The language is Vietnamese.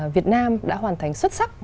việt nam đã hoàn thành xuất sắc